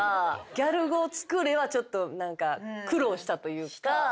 「ギャル語を作れ」は何か苦労したというか。